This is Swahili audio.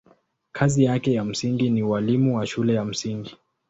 Kazi yake ya msingi ni ualimu wa shule ya msingi.